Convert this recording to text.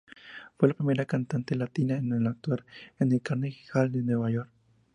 Fue la primera cantante latina en actuar en el Carnegie Hall, de Nueva York.